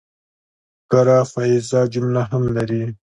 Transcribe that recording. فقره پاییزه جمله هم لري.